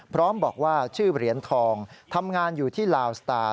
พร้อมบอกว่าชื่อเหรียญทองทำงานอยู่ที่ลาวสตาร์